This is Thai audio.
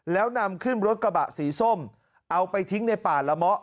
แล้วนำขึ้นรถกระบะสีส้มเอาไปทิ้งในป่าละเมาะ